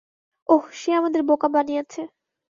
ওহ, সে আমাদের বোকা বানিয়েছে।